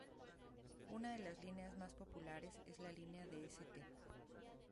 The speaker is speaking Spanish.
Una de las líneas más populares es la línea de St.